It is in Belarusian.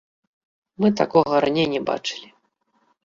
Мы такога раней не бачылі.